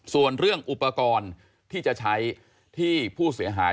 ส่วนเรื่องอุปกรณ์ที่จะใช้ที่ผู้เสียหาย